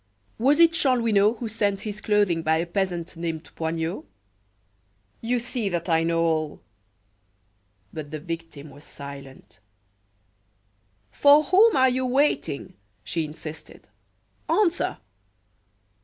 Was it Chanlouineau who sent his clothing by a peasant named Poignot? You see that I know all " But her victim was silent. "For whom are you waiting?" she insisted. "Answer!"